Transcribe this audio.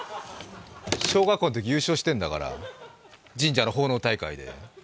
小学校のとき優勝してるんだから、神社の奉納大会で。